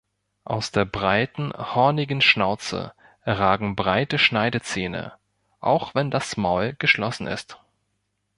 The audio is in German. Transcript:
Aus der breiten, hornigen Schnauze ragen breite Schneidezähne, auch wenn das Maul geschlossen ist.